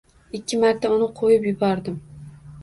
Ikki marta uni qo‘yib yubordim